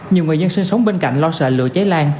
nhiều người dân sinh sống bên cạnh lo sợ lửa cháy lan